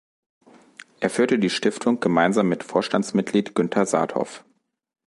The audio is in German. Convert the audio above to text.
Er führte die Stiftung gemeinsam mit Vorstandsmitglied Günter Saathoff.